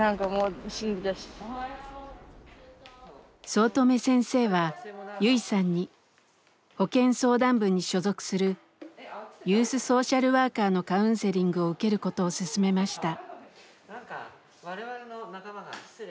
早乙女先生はユイさんに保健相談部に所属するユースソーシャルワーカーのカウンセリングを受けることを勧めました。